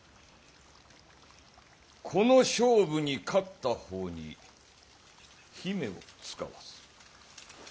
この勝負に勝った方に姫を遣わす。